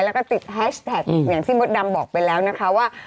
แล้วก็ติดแฮชแท็กอย่างที่มดดำบอกไปแล้วนะคะว่า